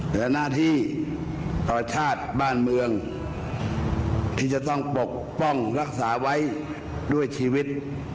แต่หน้าที่ต่อชาติบ้านเมืองที่จะต้องปกป้องรักษาไว้ด้วยชีวิต